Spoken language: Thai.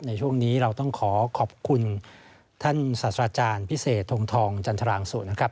ในช่วงนี้เราต้องขอขอบคุณท่านศาสตราจารย์พิเศษทงทองจันทรางสุนะครับ